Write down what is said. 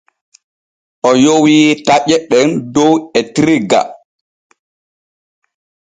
O yowi taƴe ɗen dow etirga.